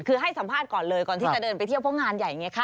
คือให้สัมภาษณ์ก่อนเลยก่อนที่จะเดินไปเที่ยวเพราะงานใหญ่ไงคะ